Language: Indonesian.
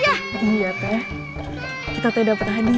iya pe kita tuh dapat hadiah